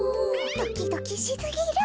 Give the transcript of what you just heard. ドキドキしすぎる。